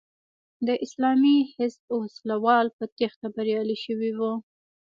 د اسلامي حزب وسله وال په تېښته بریالي شوي وو.